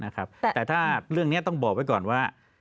แต่ถ้าเรื่องนี้ต้องบอกไว้ก่อนว่า